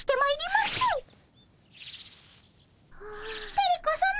テレ子さま